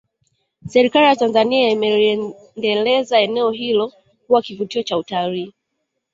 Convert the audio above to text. Serikali ya Tanzania imeliendeleza eneo hilo kuwa kivutio cha utalii